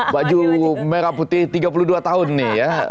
baju merah putih tiga puluh dua tahun nih ya